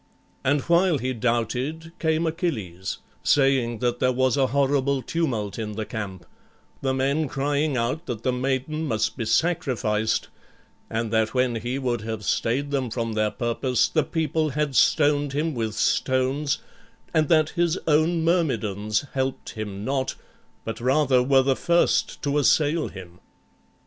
And while he doubted came Achilles, saying that there was a horrible tumult in the camp, the men crying out that the maiden must be sacrificed, and that when he would have stayed them from their purpose, the people had stoned him with stones, and that his own Myrmidons helped him not, but rather were the first to assail him.